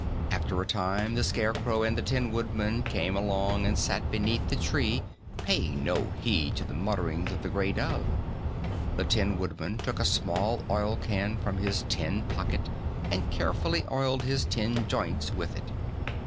After a time, the Scarecrow and the Tin Woodman came along and sat beneath the tree, paying no heed to the mutterings of the gray dove. The Tin Woodman took a small oilcan from his tin pocket and carefully oiled his tin joints with it.